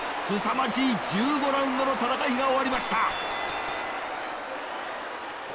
すさまじい１５ラウンドの戦いが終わりました！